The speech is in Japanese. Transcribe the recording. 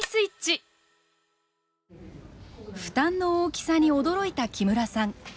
負担の大きさに驚いた木村さん。